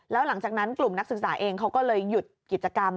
แล้วหลังจากนั้นกลุ่มนักศึกษาเองเขาก็เลยหยุดกิจกรรม